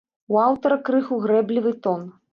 У аўтара крыху грэблівы тон.